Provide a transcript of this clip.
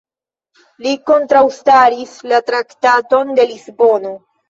Li kontraŭstaris la Traktaton de Lisbono.